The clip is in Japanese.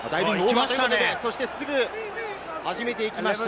そしてすぐ始めていきました。